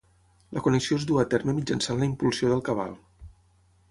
La connexió es duu a terme mitjançant la impulsió del cabal.